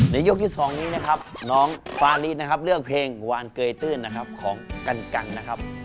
ยกที่๒นี้นะครับน้องฟาลินะครับเลือกเพลงวานเกยตื้นนะครับของกันกันนะครับ